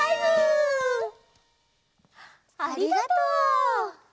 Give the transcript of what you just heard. ありがとう！